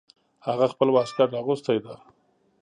هغه خپل واسکټ اغوستی ده